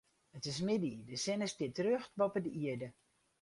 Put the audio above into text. It is middei, de sinne stiet rjocht boppe de ierde.